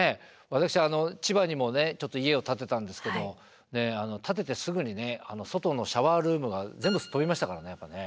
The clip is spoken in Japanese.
私千葉にもちょっと家を建てたんですけど建ててすぐに外のシャワールームが全部すっ飛びましたからね。